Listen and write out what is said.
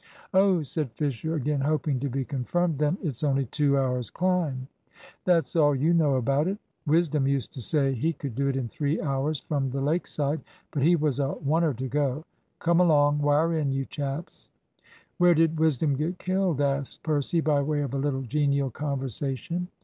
"Oh," said Fisher, again hoping to be confirmed. "Then it's only two hours' climb?" "That's all you know about it. Wisdom used to say he could do it in three hours from the lake side. But he was a wonner to go. Come along; wire in, you chaps." "Where did Wisdom get killed?" asked Percy, by way of a little genial conversation.